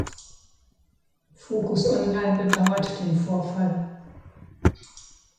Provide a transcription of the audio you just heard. Focus Online bedauert den Vorfall.